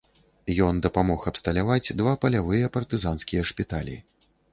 Ён дапамог абсталяваць два палявыя партызанскія шпіталі.